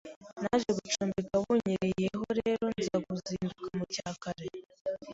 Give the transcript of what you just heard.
Naje gucumbika bunyiriyeho rero nza kuzinduka mu cya kare